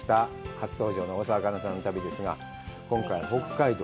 初登場の大沢あかねさんの旅ですが、今回は北海道。